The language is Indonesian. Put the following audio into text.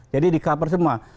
jadi dikaper semua